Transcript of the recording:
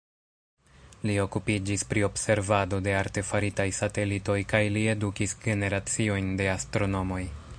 Li okupiĝis pri observado de artefaritaj satelitoj kaj li edukis generaciojn de astronomoj.